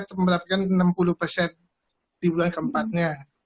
dan juga memang kita kemarin sempat memberikan bonus sebenarnya buat tahun dua ribu sembilan belas